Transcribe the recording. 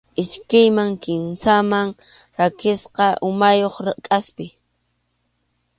Iskayman kimsaman rakisqa umayuq kʼaspi.